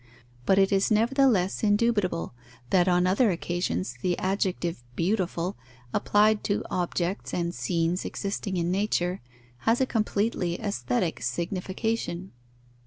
But it is nevertheless indubitable, that on other occasions the adjective "beautiful," applied to objects and scenes existing in nature, has a completely aesthetic signification.